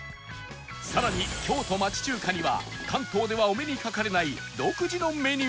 さらに京都町中華には関東ではお目にかかれない独自のメニューも